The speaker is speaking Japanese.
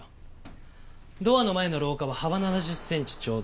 ドアの前の廊下は幅７０センチちょうど。